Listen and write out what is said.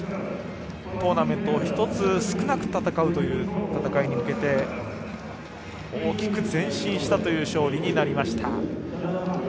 トーナメントを１つ少なく戦うという戦いに向けて大きく前進したという勝利になりました。